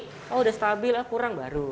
kalau kurang stabil kurang baru